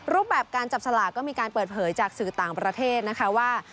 รูปแบบการจับสลากก็มีการเปิดเผยจากสื่อต่างประเทศนะคะว่า